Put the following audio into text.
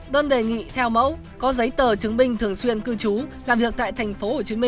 đơn đề nghị theo mẫu có giấy tờ chứng minh thường xuyên cư trú làm việc tại tp hcm